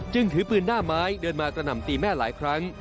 ถือปืนหน้าไม้เดินมากระหน่ำตีแม่หลายครั้ง